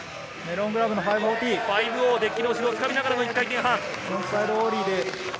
デッキの後ろをつかみながらの１回転半。